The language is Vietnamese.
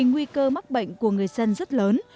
nguy cơ mắc bệnh của người dân rất lớn